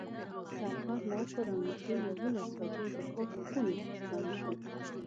دا کار مو وکړ او نږدې یوولس بجې د خوب خونو ته ستانه شوو.